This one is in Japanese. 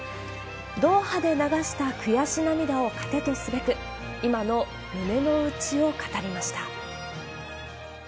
ドーハで流した悔し涙を糧とすべく、今の胸の内を語りました。